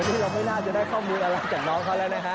นี่เราไม่น่าจะได้ข้อมูลอะไรจากน้องเขาแล้วนะฮะ